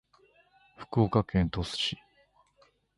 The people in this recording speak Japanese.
福岡県鳥栖市